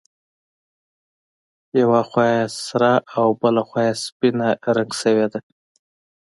یوه خوا یې سره او بله خوا یې سپینه رنګ شوې ده.